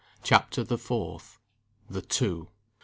CHAPTER THE FOURTH. THE TWO.